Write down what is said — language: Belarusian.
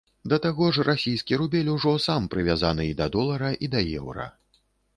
Да таго ж, расійскі рубель ужо сам прывязаны і да долара, і да еўра.